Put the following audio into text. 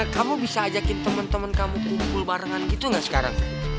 kamu bisa ajakin teman teman kamu kumpul barengan gitu nggak sekarang